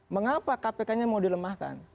mengapa kpk nya mau dilemahkan